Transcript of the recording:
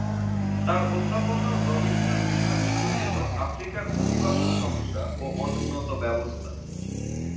তার অধ্যাপনা ও গবেষণার বিষয়বস্তু ছিল আফ্রিকার অভিবাসন সমস্যা ও অনুন্নত ব্যবস্থা।